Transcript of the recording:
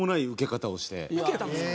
ウケたんですか？